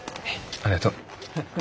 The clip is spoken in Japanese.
ありがとう。